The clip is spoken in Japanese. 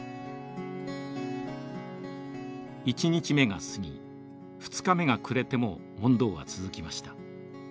１日目が過ぎ２日目が暮れても問答は続きました。